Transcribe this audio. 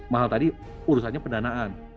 mahal tadi urusannya pendanaan